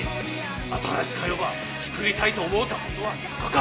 新しか世ば作りたいと思うたことはなかか？